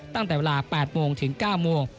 ตั้งแต่เวลา๘โมงถึง๙โมง